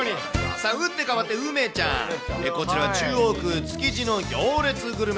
さあ、打って変わって梅ちゃん、こちら、中央区築地の行列グルメ。